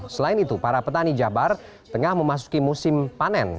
selain itu para petani jabar tengah memasuki musim panen